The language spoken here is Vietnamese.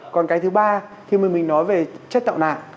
còn cái thứ ba khi mà mình nói về chất tạo